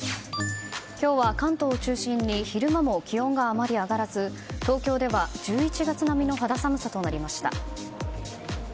今日は関東を中心に昼間も気温があまり上がらず東京では１１月並みの肌寒さとなりました。